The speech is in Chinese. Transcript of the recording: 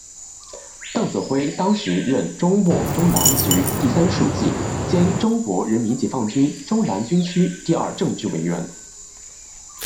邓子恢当时任中共中南局第三书记兼中国人民解放军中南军区第二政治委员。